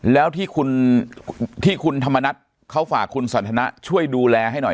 แล้วที่คุณไทยทัมฉระนะช่วยดูแลให้หน่อย